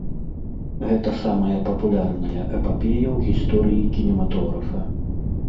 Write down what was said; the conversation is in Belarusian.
Гэта самая папулярная эпапея ў гісторыі кінематографа.